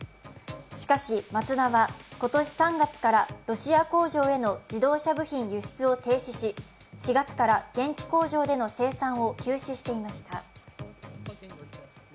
しかし、マツダは今年３月からロシア工場への自動車部品輸出を停止し４月から現地工場での生産を休止していました。